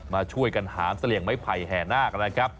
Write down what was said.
มาช่วยกันหามเสลี่ยงไม้ไผ่แห่นาคนะครับ